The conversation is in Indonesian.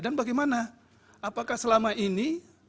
dan bagaimana apakah selama ini